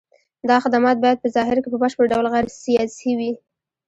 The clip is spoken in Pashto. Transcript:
دا خدمات باید په ظاهر کې په بشپړ ډول غیر سیاسي وي.